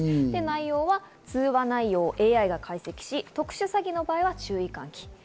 内容は通話内容をＡＩが解析し特殊詐欺の場合は注意喚起。